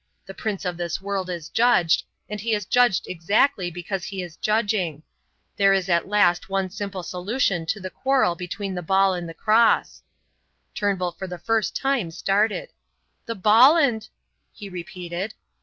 The Prince of this World is judged, and he is judged exactly because he is judging. There is at last one simple solution to the quarrel between the ball and the cross " Turnbull for the first time started. "The ball and " he repeated.